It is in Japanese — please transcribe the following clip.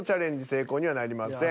成功にはなりません。